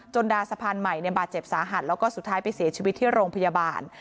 ดาสะพานใหม่บาดเจ็บสาหัสแล้วก็สุดท้ายไปเสียชีวิตที่โรงพยาบาล